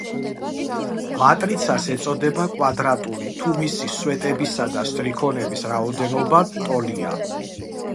მატრიცას ეწოდება კვადრატული, თუ მისი სვეტებისა და სტრიქონების რაოდენობა ტოლია.